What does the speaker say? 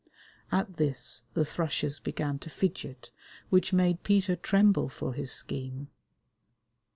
At this the thrushes began to fidget, which made Peter tremble for his scheme.